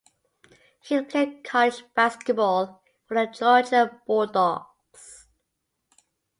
He played college basketball for the Georgia Bulldogs.